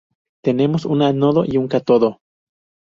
Tenemos un ánodo y un cátodo.